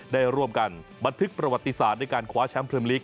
ได้ร่วมกันบันทึกประวัติศาสตร์ด้วยการคว้าแชมป์พรีมลิก